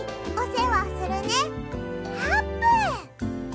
あーぷん。